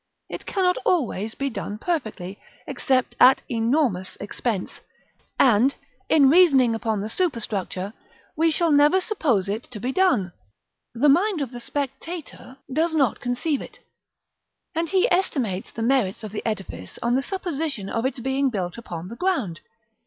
It cannot always be done perfectly, except at enormous expense; and, in reasoning upon the superstructure, we shall never suppose it to be done. The mind of the spectator does not conceive it; and he estimates the merits of the edifice on the supposition of its being built upon the ground.